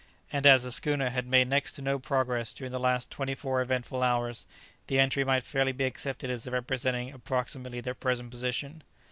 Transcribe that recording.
and as the schooner had made next to no progress during the last twenty four eventful hours, the entry might fairly be accepted as representing approximately their present position.